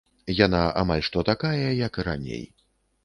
Яна амаль што такая, як і раней.